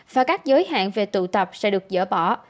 và các giới hạn về tụ tập sẽ được dỡ bỏ